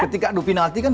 ketika adu penalti kan